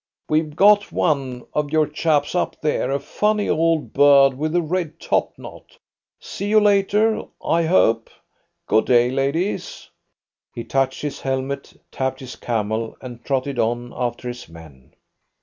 We've got one of your chaps up there a funny old bird with a red top knot. See you later, I hope! Good day, ladies!" He touched his helmet, tapped his camel, and trotted on after his men.